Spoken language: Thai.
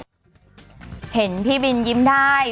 เผ็ดที่เห็นพี่บินยิ้มได้